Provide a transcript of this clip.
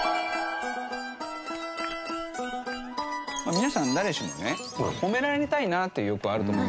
皆さん誰しもね褒められたいなっていう欲あると思うんですよ。